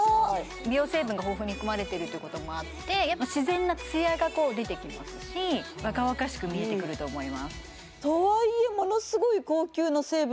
美容成分が豊富に含まれているということもあって自然なつやが出てきますし若々しく見えてくると思いますとはいえ